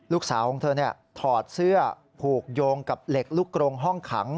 ลูกสาวของเธอถอดเสื้อผูกโยงกับเหล็กลูกกรงห้องขัง